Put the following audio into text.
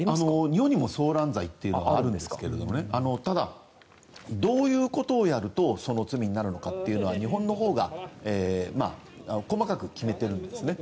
日本にも騒乱罪というのはあるんですがただ、どういうことをやるとその罪になるのかというのは日本のほうが細かく決めているんですね。